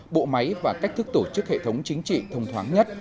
bộ máy và cách thức tổ chức hệ thống chính trị thông thoáng nhất